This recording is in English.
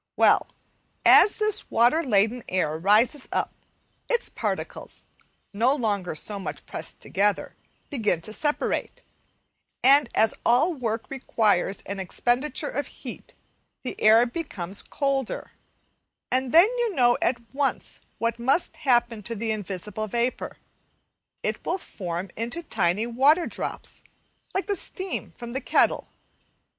Well, so this water laden air rises up, its particles, no longer so much pressed together, begin to separate, and as all work requires an expenditure of heat, the air becomes colder, and then you know at once what must happen to the invisible vapour, it will form into tiny water drops, like the steam from the kettle.